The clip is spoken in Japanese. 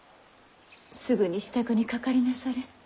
すぐに支度にかかりなされ。